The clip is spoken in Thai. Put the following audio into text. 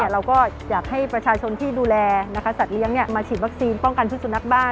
เราก็อยากให้ประชาชนที่ดูแลสัตว์เลี้ยงมาฉีดวัคซีนป้องกันชุดสุนัขบ้าน